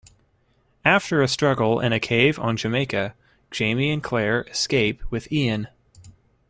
After a struggle in a cave on Jamaica, Jamie and Claire escape with Ian.